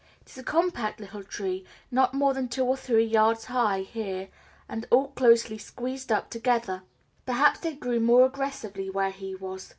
It is a compact little tree, not more than two to three yards high here, and all closely squeezed up together. Perhaps they grew more aggressively where he was.